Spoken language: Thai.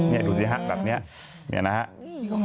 นี่ดูสิฮะอย่างนี้